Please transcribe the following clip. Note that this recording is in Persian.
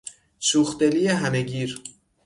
شوخ دلی همه گیر